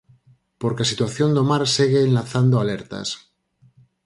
Porque a situación do mar segue enlazando alertas.